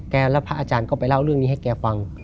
แล้วพระอาจารย์ก็ไปเล่าเรื่องนี้ให้แกฟัง